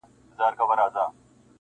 د نقاش په قلم جوړ وو سر ترنوکه -